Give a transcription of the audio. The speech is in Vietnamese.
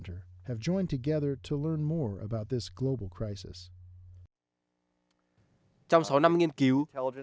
trong sáu năm nghiên cứu